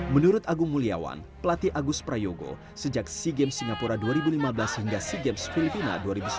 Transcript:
menurut agung mulyawan pelatih agus prayogo sejak sea games singapura dua ribu lima belas hingga sea games filipina dua ribu sembilan belas